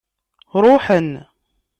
Ṛuḥen.